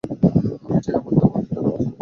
আমি চাই আমার দেওয়া আংটিটা দিয়ে তুমি আমাকে বাঁচাও।